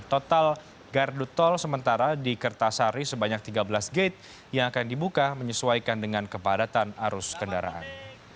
total gardu tol sementara di kertasari sebanyak tiga belas gate yang akan dibuka menyesuaikan dengan kepadatan arus kendaraan